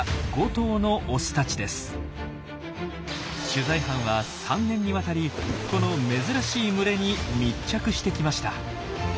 取材班は３年にわたりこの珍しい群れに密着してきました。